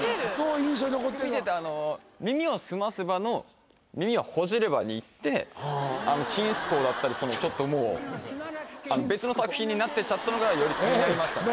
印象に残ってんのは見てて「耳をすませば」の「耳をほじれば」にいって「ちんすこう」だったりちょっともう別の作品になってっちゃったのがより気になりましたね